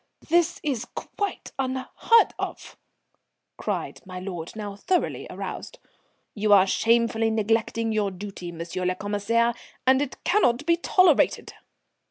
"This is quite unheard of," cried my lord, now thoroughly aroused. "You are shamefully neglecting your duty, M. le Commissaire, and it cannot be tolerated."